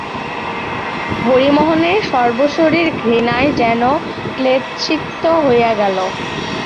হরিমোহনের সর্বশরীর ঘৃণায় যেন ক্লেদসিক্ত হইয়া গেল।